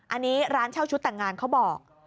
อันนี้ร้านเช่าชุดแต่งงานเขาบอก